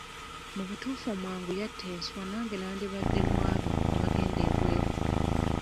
Mu butuufu omwangu yatta enswa nange nandibadde mu abo abagenda ebweru.